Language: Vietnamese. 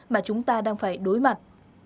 mà chúng ta đang phải đối mặt